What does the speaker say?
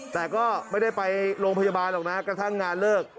แต่ก็ไม่ได้ไปโรงพยาบาลหรอกนะกระทั่งงานเลิก